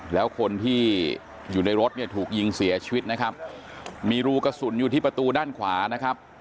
แล้วคนที่อยู่ในรถเนี่ยถูกยิงเสียชีวิตนะครับมีรูกระสุนอยู่ที่ประตูด้านขวานะครับ